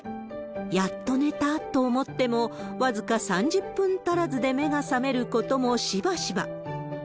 やっと寝たと思っても、僅か３０分足らずで目が覚めることもしばしば。